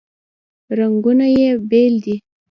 رنګونه یې بیل دي.